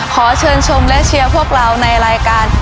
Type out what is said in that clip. ขอเชิญชมและเชียร์พวกเราในรายการ